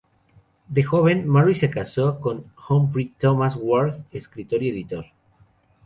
De joven, Mary se casó con Humphry "Thomas" Ward, escritor y editor.